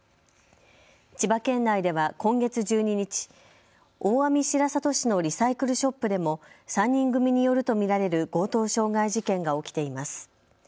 千葉県内では今月１２日、大網白里市のリサイクルショップでも３人組によると見られる強盗傷害事件が起きています。